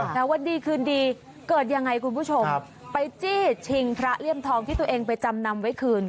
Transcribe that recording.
แล้ววันดีคืนดีเกิดยังไงคุณผู้ชมไปจี้ชิงพระเลี่ยมทองที่ตัวเองไปจำนำไว้คืน